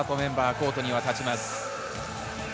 コートに立ちます。